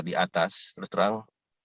di atas terus terang